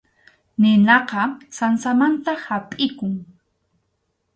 Ninaqa sansamanta hapʼikun.